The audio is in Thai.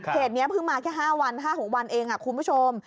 เหตุนี้เพิ่งมาแค่๕วัน๕๖วันเองคุณผู้ชม